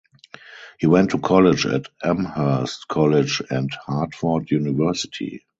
He went to college at Amherst College and Hartford University.